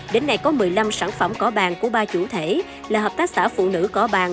đến nay có một mươi năm sản phẩm cỏ bàn của ba chủ thể là hợp tác xã phụ nữ cỏ bàn